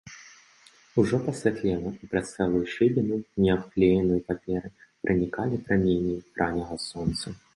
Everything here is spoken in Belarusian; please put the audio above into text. Ужо пасвятлела, і праз цэлую шыбіну, не абклееную паперай, пранікалі праменні ранняга сонца.